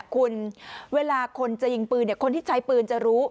คุณเวลาคนจะยิงปืนคนที่ใช้ปืนจะรู้